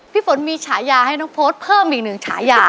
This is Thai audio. พี่ฝนมีฉายาให้น้องโพสต์เพิ่มอีกหนึ่งฉายา